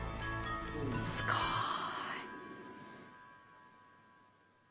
すごい。